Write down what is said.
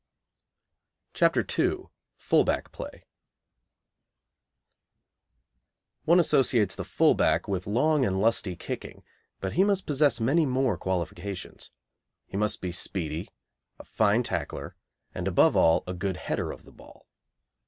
CHAPTER II. Full Back Play. One associates the full back with long and lusty kicking, but he must possess many more qualifications. He must be speedy, a fine tackler, and, above all, a good header of the ball.